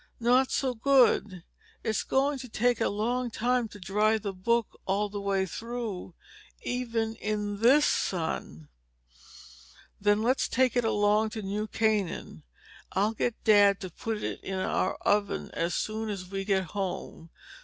"Not so good. It's going to take a long time to dry the book all the way through even in this sun." "Then let's take it along to New Canaan. I'll get Dad to put it in our oven as soon as we get home.